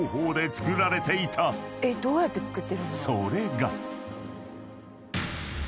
［それが］